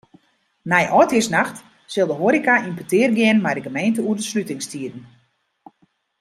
Nei âldjiersnacht sil de hoareka yn petear gean mei de gemeente oer de slutingstiden.